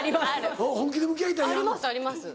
ありますあります。